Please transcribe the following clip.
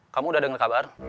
kamu udah denger kabar